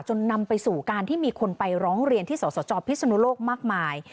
นำไปสู่การที่มีคนไปร้องเรียนที่สสจพิศนุโลกมากมาย